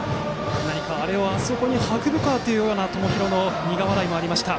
何か、あれをあそこに運ぶかというような友廣の苦笑いもありました。